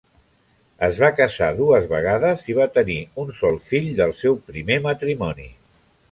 Es va casar dues vegades i va tenir un sol fill del seu primer matrimoni.